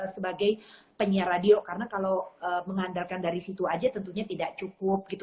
sebagai penyiar radio karena kalau mengandalkan dari situ aja tentunya tidak cukup gitu